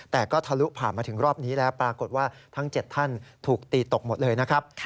แต่ก็ทะลุผ่านมาถึงรอบนี้แล้วปรากฏว่าทั้ง๗ท่านถูกตีตกหมดเลยนะครับ